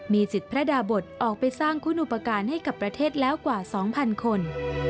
สิทธิ์พระดาบทออกไปสร้างคุณอุปการณ์ให้กับประเทศแล้วกว่า๒๐๐คน